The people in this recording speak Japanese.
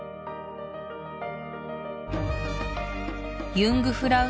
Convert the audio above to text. ユングフラウ